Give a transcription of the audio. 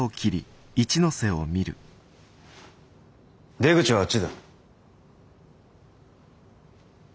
出口はあっちだ。